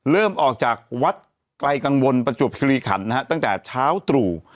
เริ่มออกจากวัดไกลกังวลประจวบคิริขันนะฮะตั้งแต่เช้าตรู่